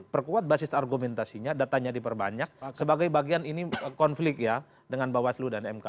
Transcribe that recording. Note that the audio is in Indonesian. perkuat basis argumentasinya datanya diperbanyak sebagai bagian ini konflik ya dengan bawaslu dan mk